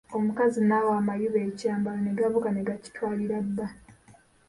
Omukazi n'awa amayuba ekyambalo ne gabuuka ne gakitwalira bba.